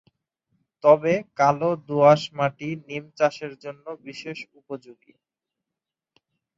তবে কালো দোআঁশ মাটি নিম চাষের জন্য বিশেষ উপযোগী।